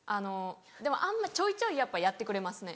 でもちょいちょいやっぱやってくれますね。